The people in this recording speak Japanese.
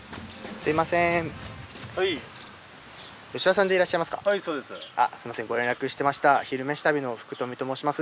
すみませんご連絡してました「昼めし旅」の福冨と申します。